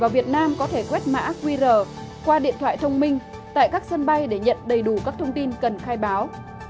việt nam có thể quét mã qr qua điện thoại thông minh tại các sân bay để nhận đầy đủ các thông tin cần khai báo